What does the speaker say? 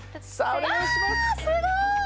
あすごい！